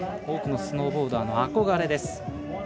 多くのスノーボーダーの憧れです。